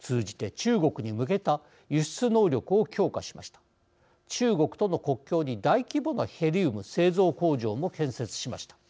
中国との国境に大規模なヘリウム製造工場も建設しました。